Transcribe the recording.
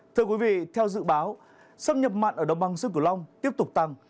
thưa quý vị theo dự báo sâm nhập mặn ở đồng bằng sông kiểu long tiếp tục tăng